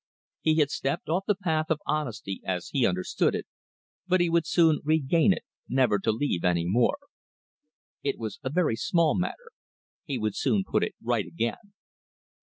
He had stepped off the path of honesty, as he understood it, but he would soon regain it, never to leave it any more! It was a very small matter. He would soon put it right again.